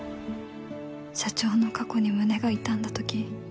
社長の過去に胸が痛んだ時